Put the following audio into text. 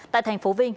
tại thành phố vinh